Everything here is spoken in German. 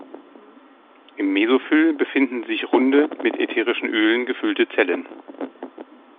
Im Mesophyll befinden sich runde, mit ätherischen Ölen gefüllte Zellen.